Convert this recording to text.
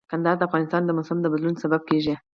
کندهار د افغانستان د موسم د بدلون سبب کېږي.